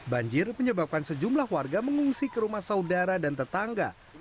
banjir menyebabkan sejumlah warga mengungsi ke rumah saudara dan tetangga